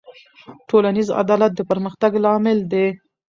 ټولنیز عدالت د پرمختګ لامل دی.